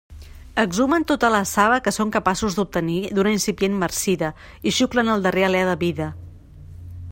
Exhumen tota la saba que són capaços d'obtenir d'una incipient marcida i xuclen el darrer alé de vida.